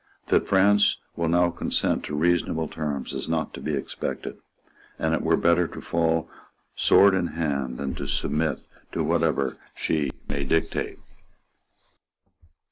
That France will now consent to reasonable terms is not to be expected; and it were better to fall sword in hand than to submit to whatever she may dictate."